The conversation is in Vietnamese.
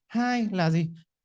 hai là gì